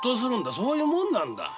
そういうもんなんだ。